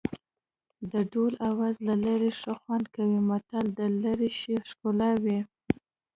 د ډول آواز له لرې ښه خوند کوي متل د لرې شي ښکلا ښيي